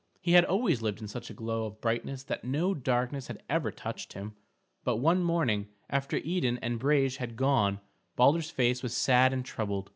He had always lived in such a glow of brightness that no darkness had ever touched him; but one morning, after Idun and Brage had gone, Balder's face was sad and troubled.